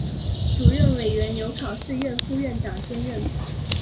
主任委员由考试院副院长兼任。